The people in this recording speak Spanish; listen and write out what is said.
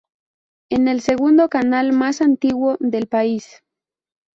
Es el segundo canal más antiguo del país.